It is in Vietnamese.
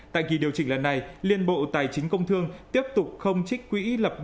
tại kỳ điều chỉnh lần này liên bộ tài chính công thương tiếp tục không trích quỹ lập